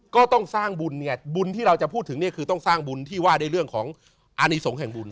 ก็ต้องสร้างบุญเนี่ยบุญที่เราจะพูดถึงเนี่ยคือต้องสร้างบุญที่ว่าด้วยเรื่องของอานิสงฆ์แห่งบุญ